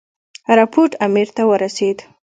رپوټ امیر ته ورسېد.